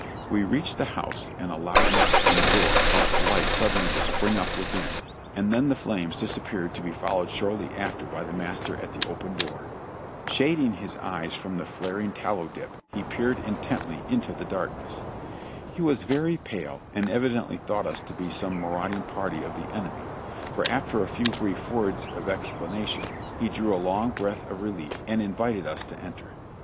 We reached the house and a loud knock on the door caused a light suddenly to spring up within, and then the flames disappeared to be followed shortly after by the master at the open door. Shad ing his eyes from the flaring tallow dip, he peered intently into the darkness. He was very pale and evidently thought us to be some marauding party of the enemy, for after a few brief words of explanation he drew a long breath of relief and invited us to enter.